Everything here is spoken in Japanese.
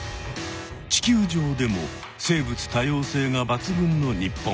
地球上でも生物多様性がばつ群の日本。